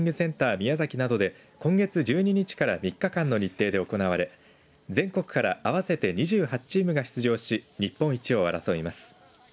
宮崎などで今月１２日から３日間の日程で行われ全国から合わせて２８チームが出場し日本一を争います。